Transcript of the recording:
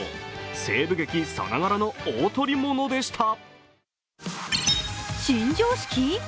西部劇さながらの大捕物でした。